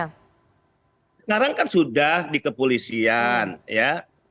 sekarang kan sudah di kepolisian ya